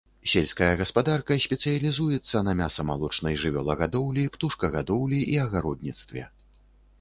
Сельская гаспадарка спецыялізуецца на мяса-малочнай жывёлагадоўлі, птушкагадоўлі і агародніцтве.